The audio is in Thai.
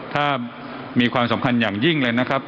ถ้ามีความสำคัญอย่างยิ่งเลยนะครับ